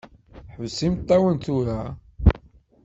Ḥbes imeṭṭawen tura.